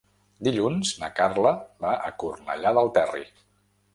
Dilluns na Carla va a Cornellà del Terri.